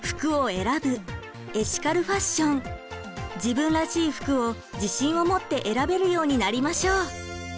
自分らしい服を自信を持って選べるようになりましょう！